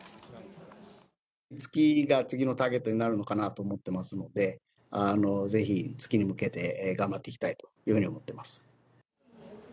月が次のターゲットになるのかなと思ってますので、ぜひ、月に向けて頑張っていきたいというふうに思っています。